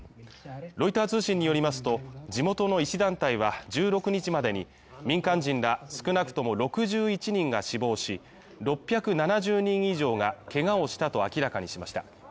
ロイター通信によりますと、地元の医師団体は１６日までに民間人ら少なくとも６１人が死亡し、６７０人以上がけがをしたと明らかにしました。